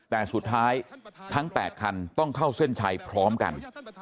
แต่สุดท้ายทั้ง๘คันต้องเข้าเส้นชัยพร้อมกัน